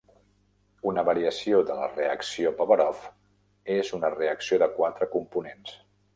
Una variació de la reacció Povarov és una reacció de quatre components.